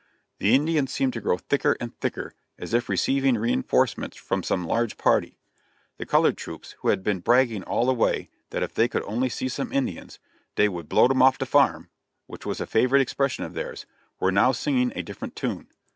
The Indians seemed to grow thicker and thicker, as if receiving reinforcements from some large party. The colored troops, who had been bragging all the way that if they could only see some Indians "dey would blow 'em off de farm," which was a favorite expression of theirs, were now singing a different tune.